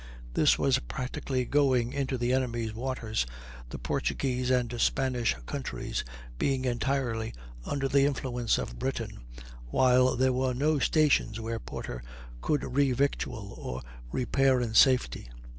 This was practically going into the enemy's waters, the Portuguese and Spanish countries being entirely under the influence of Britain, while there were no stations where Porter could revictual or repair in safety.